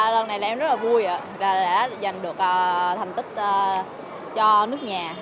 lần này em rất là vui đã giành được thành tích cho nước nhà